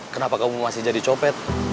kenapa kamu masih jadi copet